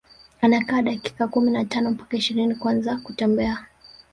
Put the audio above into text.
Anakaa dakika kumi na tano mpaka ishirini kuanza kutembea